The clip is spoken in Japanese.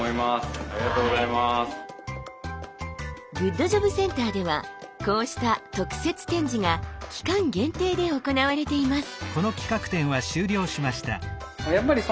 グッドジョブセンターではこうした特設展示が期間限定で行われています。